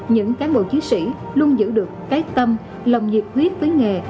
những cán bộ chiến sĩ luôn giữ được cái tâm lòng nhiệt huyết với nghề